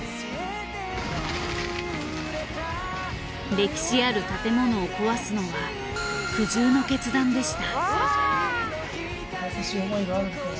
歴史ある建物を壊すのは苦渋の決断でした。